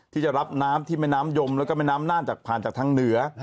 ที่จะรับน้ำที่แม่น้ำยมแล้วก็แม่น้ำน่านจากผ่านจากทางเหนือ